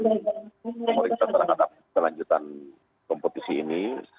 pemerintah telah menangkap selanjutan kompetisi ini